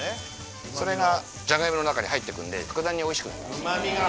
それがじゃがいもの中に入ってくんで格段においしくなります。